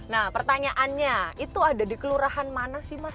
nah pertanyaannya itu ada di kelurahan mana sih mas